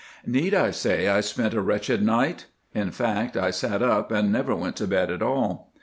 Need I say I spent a wretched night? In fact, I sat up and never went to bed at all.